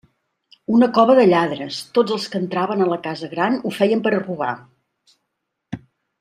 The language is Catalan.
Una cova de lladres; tots els que entraven a la «casa gran» ho feien per a robar.